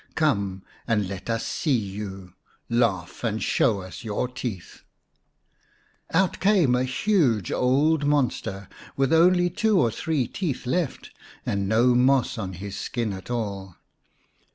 Come and let us see you ! Laugh and show us your teeth !" Out came a huge old monster, with only two or three teeth left, and no moss on his skin at all.